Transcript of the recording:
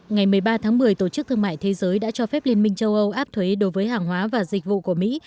ngày một mươi ba tháng một mươi tổ chức thương mại thế giới đã cho phép liên minh châu âu áp thuế đối với hàng hóa và dịch vụ của mỹ